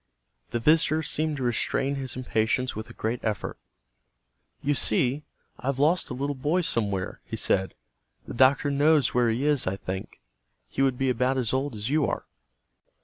The visitor seemed to restrain his impatience with a great effort. "You see, I've lost a little boy somewhere," he said. "The doctor knows where he is, I think. He would be about as old as you are."